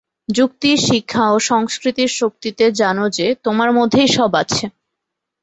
যুক্তি, শিক্ষা ও সংস্কৃতির শক্তিতে জান যে, তোমার মধ্যেই সব আছে।